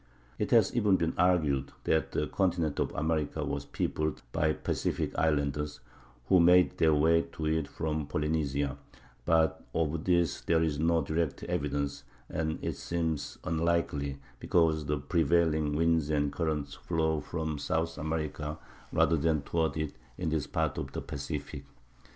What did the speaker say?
It has even been argued that the continent of America was peopled by Pacific Islanders, who made their way to it from Polynesia; but of this there is no direct evidence, and it seems unlikely, because the prevailing winds and currents flow from South America, rather than toward it, in this part of the Pacific.